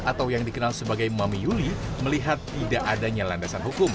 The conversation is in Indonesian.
atau yang dikenal sebagai mami yuli melihat tidak adanya landasan hukum